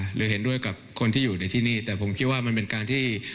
หรือเห็นด้วยกับคนที่อยู่ในที่นี่แต่ผมคิดว่ามันเป็นการที่